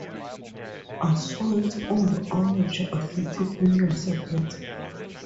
Assault on the Amateur Athletic Union circuit.